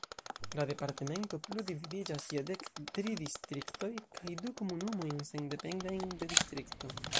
La departemento plu dividiĝas je dek tri distriktoj kaj du komunumojn sendependajn de distrikto.